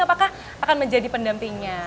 apakah akan menjadi pendampingnya